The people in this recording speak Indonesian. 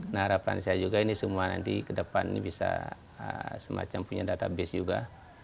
nah harapan saya juga ini semua nanti ke depan ini bisa semacam punya database juga